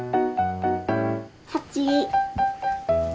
８。